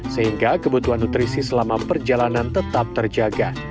sehingga kebutuhan nutrisi selama perjalanan tetap terjaga